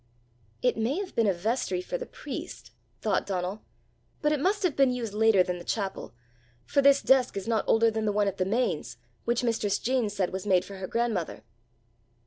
"It may have been a vestry for the priest!" thought Donal; "but it must have been used later than the chapel, for this desk is not older than the one at The Mains, which mistress Jean said was made for her grandmother!"